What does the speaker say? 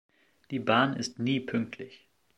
Die Bahn ist nie pünktlich.